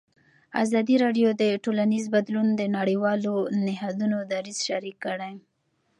ازادي راډیو د ټولنیز بدلون د نړیوالو نهادونو دریځ شریک کړی.